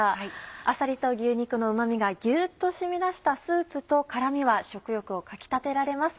あさりと牛肉のうま味がギュっと染み出したスープと辛みは食欲をかき立てられます